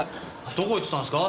どこ行ってたんですか？